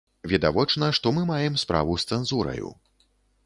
Відавочна, што мы маем справу з цэнзураю.